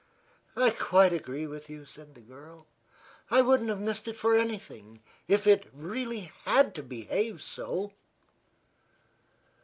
"I quite agree with you," said the girl. "I wouldn't have missed it for anything if it really had to behave so."